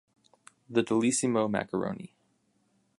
The Dullissimo Maccaroni.